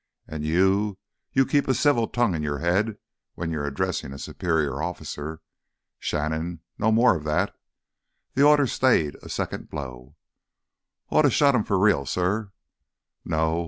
"And you—you keep a civil tongue in your head when addressing a superior officer. Shannon, no more of that!" The order stayed a second blow. "Oughta shot him for real, suh." "No.